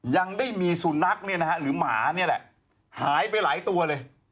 ยังได้มีสุนัขหรือหมาหายไปหลายตัวเลย